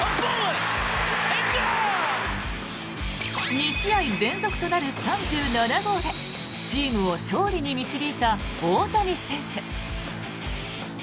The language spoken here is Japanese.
２試合連続となる３７号でチームを勝利に導いた大谷選手。